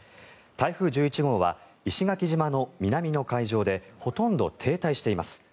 台風１１号は石垣島の南の海上でほとんど停滞しています。